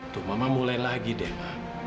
tuh mama mulai lagi deh pak